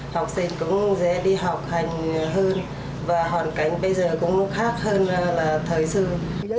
học sinh cũng dễ đi học hành hơn và hoàn cảnh bây giờ cũng khác hơn là thời sự